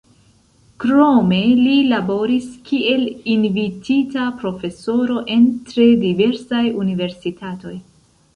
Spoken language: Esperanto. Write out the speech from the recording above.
Krome li laboris kiel invitita profesoro en tre diversaj universitatoj.